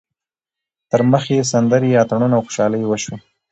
تر مخ یې سندرې، اتڼونه او خوشحالۍ وشوې.